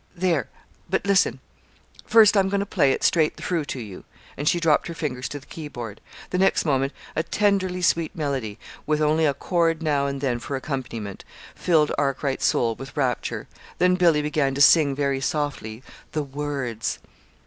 There! but listen. First I'm going to play it straight through to you." And she dropped her fingers to the keyboard. The next moment a tenderly sweet melody with only a chord now and then for accompaniment filled Arkwright's soul with rapture. Then Billy began to sing, very softly, the words!